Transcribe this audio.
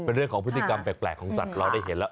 เป็นเรื่องของพฤติกรรมแปลกของสัตว์เราได้เห็นแล้ว